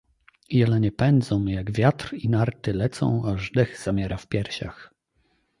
"Jelenie pędzą, jak wiatr i narty lecą aż dech zamiera w piersiach."